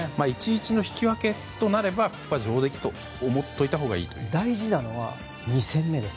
１‐１の引き分けとなれば上出来と思ったほうがいい？